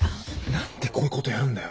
何でこういうことやるんだよ。